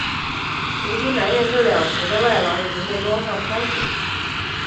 如今南面这两层的外廊已经被装上窗户。